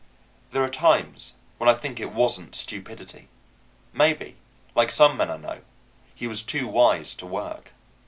There are times when I think it wasn't stupidity. Maybe, like some men I know, he was too wise to work.